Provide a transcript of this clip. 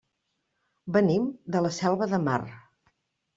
Venim de la Selva de Mar.